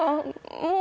もう